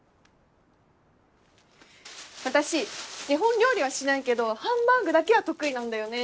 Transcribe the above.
私基本料理はしないけどハンバーグだけは得意なんだよね。